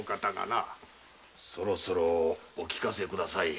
そろそろお聞かせください。